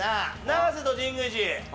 永瀬と神宮寺